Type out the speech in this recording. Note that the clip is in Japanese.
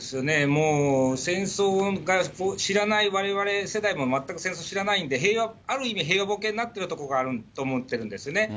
もう戦争が知らないわれわれ世代も、全く戦争知らないんで、ある意味平和ぼけになってるところがあると思ってるんですね。